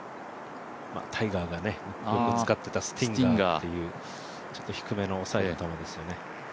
タイガーがよく使ってたスティンガーというちょっと低めの抑える球ですね。